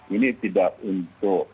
ini tidak untuk